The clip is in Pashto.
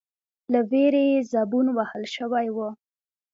، له وېرې يې زبون وهل شوی و،